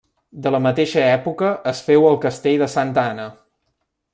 De la mateixa època és feu el castell de santa Anna.